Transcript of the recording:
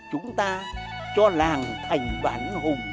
chúng ta cho làng thành bản hùng